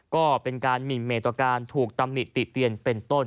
ก็เป็นการหมินเมตการถูกตำหนิติเตียนเป็นต้น